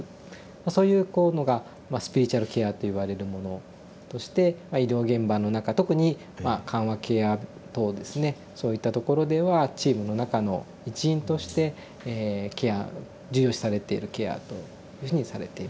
そういうこうのがスピリチュアルケアっていわれるものとして医療現場の中特に緩和ケア棟ですねそういったところではチームの中の一員として重要視されているケアというふうにされています。